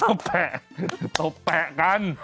แปะตบแปะกัน